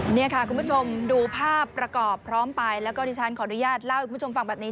นี่ค่ะคุณผู้ชมดูภาพประกอบพร้อมไปแล้วก็ดิฉันขออนุญาตเล่าให้คุณผู้ชมฟังแบบนี้